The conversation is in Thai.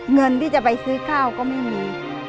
เงินที่จะไปซื้อข้าวก็ไม่มี